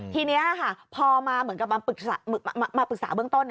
ทีนี้ค่ะพอมาเหมือนกับมาปรึกษาเบื้องต้น